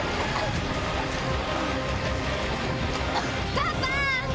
パパ！